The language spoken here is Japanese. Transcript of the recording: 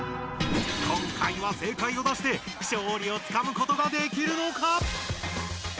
今回は正解を出して勝利をつかむことができるのか！？